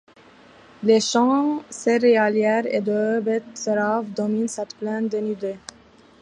Les champs céréaliers et de betteraves dominent cette plaine dénudée.